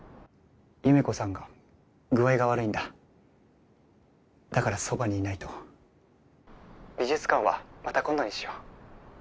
優芽子さんが具合が悪いんだだからそばにいないと☎美術館はまた今度にしよう